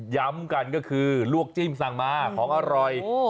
ย้ำกันก็คือลวกจิ้มสั่งมาของอร่อย